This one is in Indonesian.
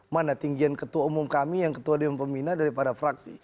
mana tinggian ketua umum kami yang ketua dewan pembina daripada fraksi